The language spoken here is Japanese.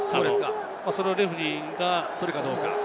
それをレフェリーが取るかどうか。